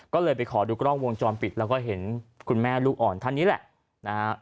ก็เลยไปขอดูกล้องวงจรปิดแล้วก็เห็นคุณแม่ลูกอ่อนท่านนี้แหละนะฮะ